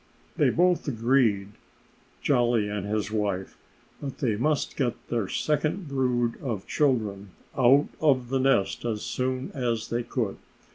They both agreed Jolly and his wife that they must get their second brood of children out of the nest as soon as they could.